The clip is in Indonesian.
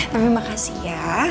tapi makasih ya